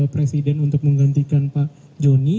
presiden untuk menggantikan pak joni